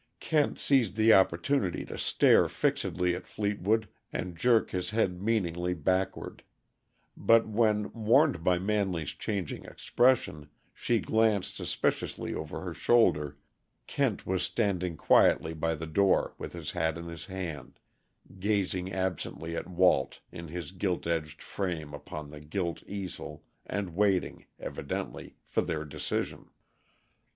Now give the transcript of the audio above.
Kent seized the opportunity to stare fixedly at Fleetwood and jerk his head meaningly backward, but when, warned by Manley's changing expression, she glanced suspiciously over her shoulder, Kent was standing quietly by the door with his hat in his hand, gazing absently at Walt in his gilt edged frame upon the gilt easel, and waiting, evidently, for their decision.